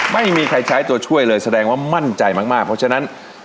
ไม่มีใครใช้ตัวช่วยเลยแสดงว่ามั่นใจมากเพราะฉะนั้น